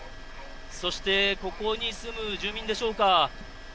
そしてここに住む住民でしょうか。